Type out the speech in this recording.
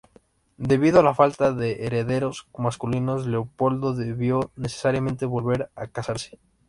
Debido a la falta de herederos masculinos, Leopoldo debió necesariamente volver a casarse.